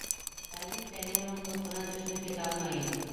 Әлбиттә, мин уның холҡона төшөнөп етә алмай инем.